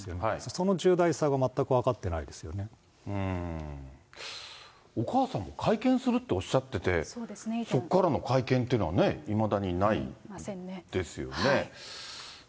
その重大さが全く分かってないでお母さんも会見するっておっしゃってて、そこからの会見っていうのはね、いまだにないですよね。